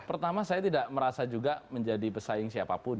pertama saya tidak merasa juga menjadi pesaing siapapun